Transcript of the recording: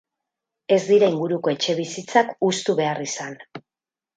Ez dira inguruko etxebizitzak hustu behar izan.